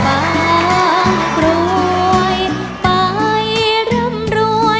ไปไม่ไปกลับมาแลยฟ้ามภรวย